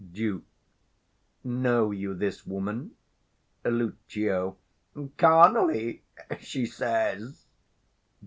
Duke. Know you this woman? Lucio. Carnally, she says.